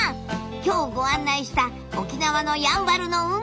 今日ご案内した沖縄のやんばるの海！